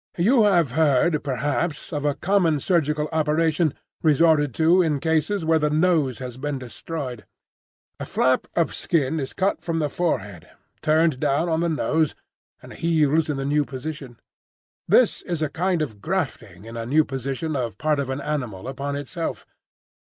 You have heard, perhaps, of a common surgical operation resorted to in cases where the nose has been destroyed: a flap of skin is cut from the forehead, turned down on the nose, and heals in the new position. This is a kind of grafting in a new position of part of an animal upon itself.